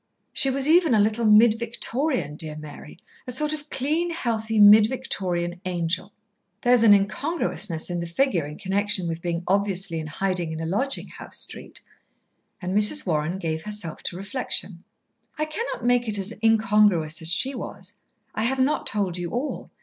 "She was even a little Mid Victorian, dear Mary; a sort of clean, healthy, Mid Victorian angel." "There's an incongruousness in the figure in connection with being obviously in hiding in a lodging house street." And Mrs. Warren gave herself to reflection. "I cannot make it as incongruous as she was. I have not told you all.